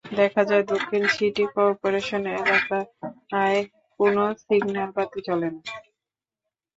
দেখা যায়, দক্ষিণ সিটি করপোরেশন এলাকায় কোনো সিগন্যাল বাতি জ্বলে না।